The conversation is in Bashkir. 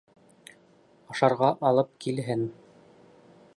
Ашарға алып килһен!